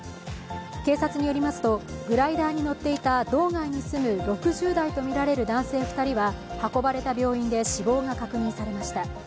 警察によりますと、グライダーに乗っていた道外に住む６０代とみられる男性２人は、運ばれた病院で死亡が確認されました。